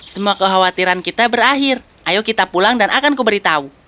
semua kekhawatiran kita berakhir ayo kita pulang dan akan kuberitahu